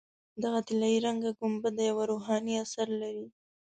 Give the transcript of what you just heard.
دغه طلایي رنګه ګنبده یو روحاني اثر لري.